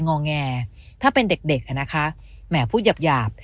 งองแงถ้าเป็นเด็กนะคะแหมพูดหยาบหยาบ